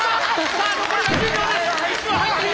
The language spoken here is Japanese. さあ残り１０秒です。